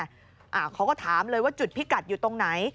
เขาก็ถามเลยว่าจุดพิกัดอยู่ตรงไหน